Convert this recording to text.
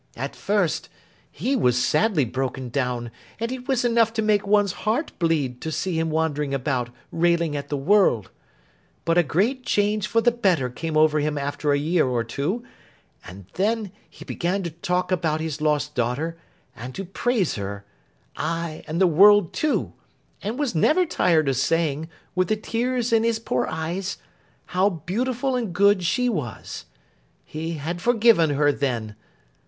At first, he was sadly broken down; and it was enough to make one's heart bleed, to see him wandering about, railing at the world; but a great change for the better came over him after a year or two, and then he began to like to talk about his lost daughter, and to praise her, ay and the world too! and was never tired of saying, with the tears in his poor eyes, how beautiful and good she was. He had forgiven her then.